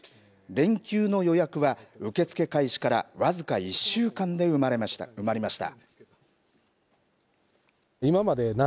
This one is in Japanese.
連休の予約は受け付け開始から僅か１週間で埋まりました。